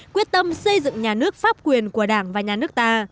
quyết tâm xây dựng nhà nước pháp quyền của đảng và nhà nước ta